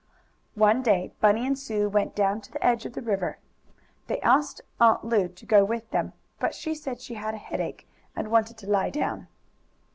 One day Bunny and Sue went down to the edge of the river. They asked Aunt Lu to go with them, but she said she had a headache, and wanted to lie down.